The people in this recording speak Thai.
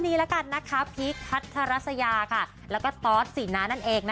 พี่พีชพัทรัสยาและก็ทอสศรีนานั่นเองนะ